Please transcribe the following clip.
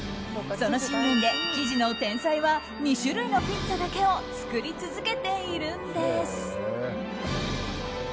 その信念で生地の天才は２種類のピッツァだけを作り続けているんです。